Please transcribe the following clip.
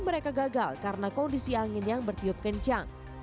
mereka gagal karena kondisi angin yang bertiup kencang